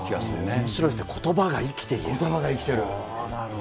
おもしろいですね、ことばがことばが生きてる。